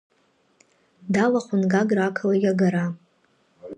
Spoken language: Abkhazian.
Далахәын Гагра ақалақь агара.